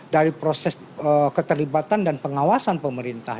dari proses keterlibatan dan pengawasan pemerintah